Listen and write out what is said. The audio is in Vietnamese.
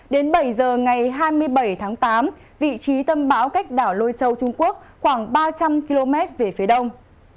đến bảy giờ ngày hai mươi bảy tháng tám vị trí tâm bão cách đảo lôi châu trung quốc khoảng ba trăm linh km về phía đông